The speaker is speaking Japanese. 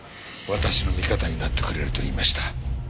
私の味方になってくれると言いました。